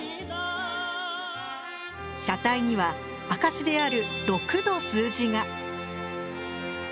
車体には証しである「６」の数字が。